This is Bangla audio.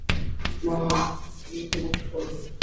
মা, আমি তোমাকে পরে ফোন করব?